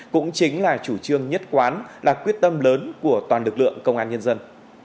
cũng chính là chủ trương nhất quán là quyết tâm lớn của toàn lực lượng công an nhân dân